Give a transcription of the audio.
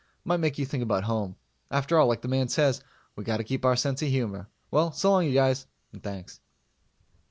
Might make you think about home. After all, like the man says, we got to keep our sense of humor. Well, so long, you guys and thanks.